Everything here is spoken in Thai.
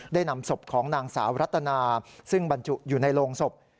นำศพของนางสาวรัตนาซึ่งบรรจุอยู่ในโรงศพ